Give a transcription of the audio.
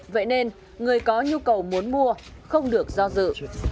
vậy nên người có nhu cầu muốn mua không được do dự